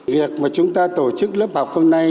việc mà chúng ta tổ chức lớp học hôm nay